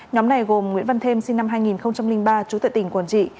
nhóm này gồm nguyễn văn thêm sinh năm hai nghìn ba trú tại tỉnh quảng trị